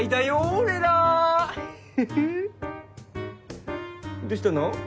俺らどうしたの？